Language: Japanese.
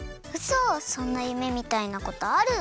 そんなゆめみたいなことある？